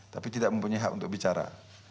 tapi tidak mempunyai hak untuk bicara